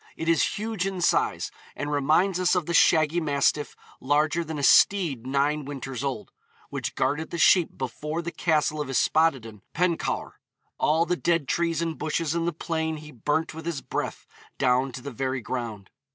It is huge in size, and reminds us of the 'shaggy mastiff larger than a steed nine winters old,' which guarded the sheep before the castle of Yspaddaden Pencawr. 'All the dead trees and bushes in the plain he burnt with his breath down to the very ground.'